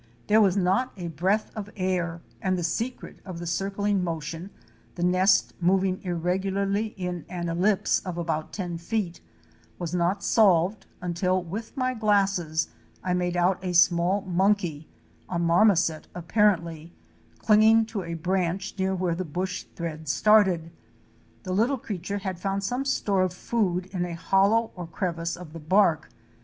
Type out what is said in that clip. "There was not a breath of air and the secret of the circling motion — the nest moving irregularly in an ellipse of about ten feet — was not solved until with my glasses I made out a small monkey — a marmoset apparently — clinging to a branch near where the bush thread started. The little creature had found some store of food in a hollow or crevice of the bark.